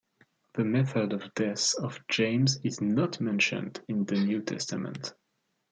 The method of death of James is not mentioned in the New Testament.